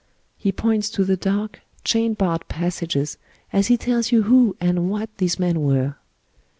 He points to the dark, chain barred passages as he tells you who and what these men were.